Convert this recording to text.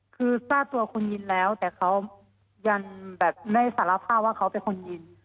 คือทราบตัวคนยิงแล้วแต่เขายันแบบได้สารภาพว่าเขาเป็นคนยิง